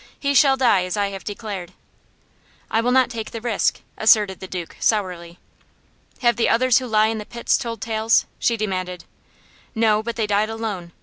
He shall die as I have declared." "I will not take the risk," asserted the Duke, sourly. "Have the others who lie in the pit told tales?" she demanded. "No; but they died alone.